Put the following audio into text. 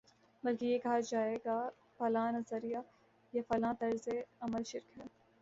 بلکہ یہ کہا جائے گا فلاں نظریہ یا فلاں طرزِ عمل شرک ہے